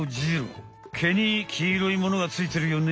毛にきいろいものがついてるよね？